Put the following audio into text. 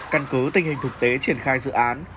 căn cứ tình hình thực tế triển khai dự án